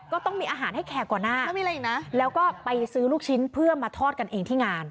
ก็ต้องมีอาหารให้แขกก่อนหน้าแล้วก็ไปซื้อลูกชิ้นเพื่อมาทอดกันเองที่งาน